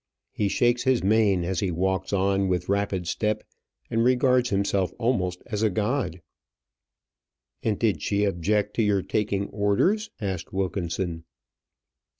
He shakes his mane as he walks on with rapid step, and regards himself almost as a god. "And did she object to your taking orders?" asked Wilkinson.